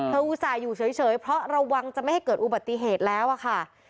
อุตส่าห์อยู่เฉยเพราะระวังจะไม่ให้เกิดอุบัติเหตุแล้วอะค่ะ